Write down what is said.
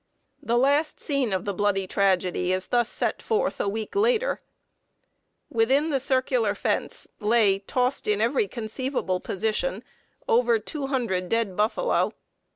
] The last scene of the bloody tragedy is thus set forth a week later: "Within the circular fence ... lay, tossed in every conceivable position, over two hundred dead buffalo.